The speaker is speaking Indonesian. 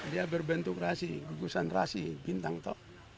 dia berbentuk rasi gugusan rasi bintang tok